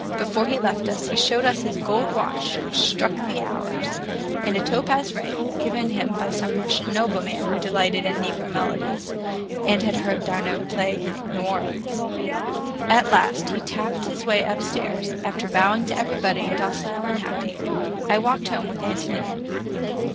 Before he left us, he showed us his gold watch which struck the hours, and a topaz ring, given him by some Russian nobleman who delighted in negro melodies, and had heard d'Arnault play in New Orleans. At last he tapped his way upstairs, after bowing to everybody, docile and happy. I walked home with Ántonia.